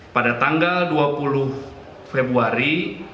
pada tanggal dua puluh februari